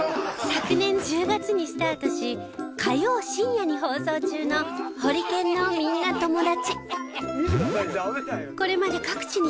昨年１０月にスタートし火曜深夜に放送中の『ホリケンのみんなともだち』。